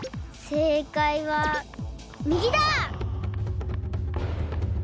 せいかいはみぎだ！